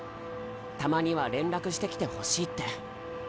たまには連絡してきてほしいって。